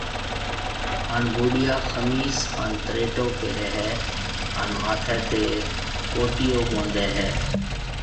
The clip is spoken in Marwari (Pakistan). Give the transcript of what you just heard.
ھان بوڊيا کميس ھان تريٽو پيري ھيَََ ھان ماٿَي تي پوتيو ٻوندھيَََ ھيَََ